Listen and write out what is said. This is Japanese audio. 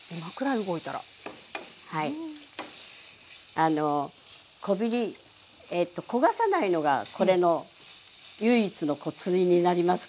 あのこびり焦がさないのがこれの唯一のコツになりますかね。